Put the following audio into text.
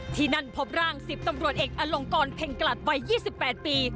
ที่นั่นพบร่าง๑๐ตำรวจเอกอลงกรเพ็งกลัดวัย๒๘ปี